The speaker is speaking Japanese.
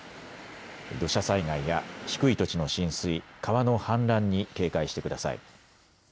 土砂災害や低い土地の浸水、川の氾濫に警戒してください。